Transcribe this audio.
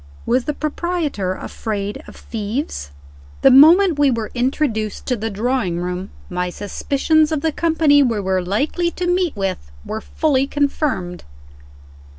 Was the proprietor afraid of thieves? III. THE moment we were introduced to the drawing room, my suspicions of the company we were likely to meet with were fully confirmed.